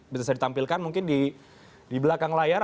bisa ditampilkan mungkin di belakang layar